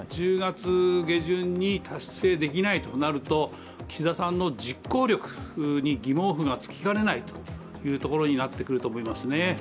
１０月下旬に達成できないとなると岸田さんの実行力に疑問符がつきかねないというところになってくると思いますね。